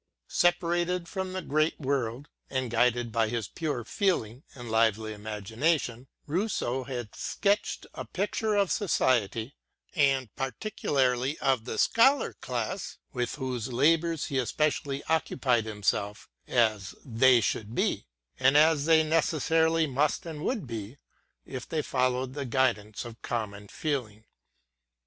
Separated from the great world, and guided by his pure feeling and lively imagination, Rousseau had sketched a picture of society, and particularly of the Scholar class, — with whose labours he especially occupied himself, — as they should be, and as they necessarily must and would be, if they followed the guidance of common feeling.